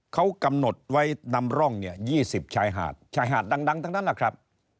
เขากำหนดไว้นำร่องเนี่ย๒๐ชายหาดชายหาดดังทั้งนั้นแหละครับ